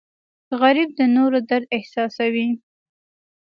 غریب د نورو درد احساسوي